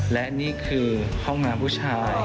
และนี่คือห้องน้ำผู้ชาย